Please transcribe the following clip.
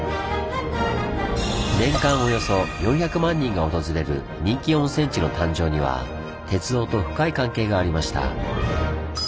年間およそ４００万人が訪れる人気温泉地の誕生には鉄道と深い関係がありました。